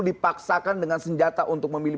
dipaksakan dengan senjata untuk memilih